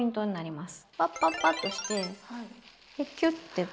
パッパッパッとしてでキュッて。